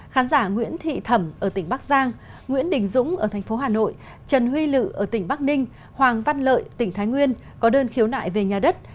khán giả nguyễn thị thẩm ở tỉnh bắc giang nguyễn đình dũng ở thành phố hà nội trần huy lự ở tỉnh bắc ninh hoàng văn lợi tỉnh thái nguyên có đơn khiếu nại về nhà đất